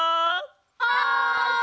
はい！